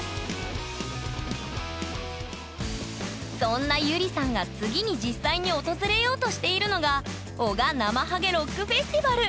そんなゆりさんが次に実際に訪れようとしているのが男鹿ナマハゲロックフェスティバル。